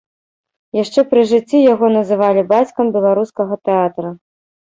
Яшчэ пры жыцці яго называлі бацькам беларускага тэатра.